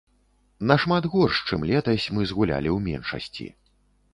Нашмат горш, чым летась, мы згулялі ў меншасці.